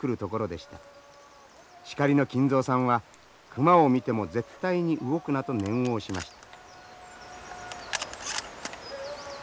シカリの金蔵さんは熊を見ても絶対に動くなと念を押しました。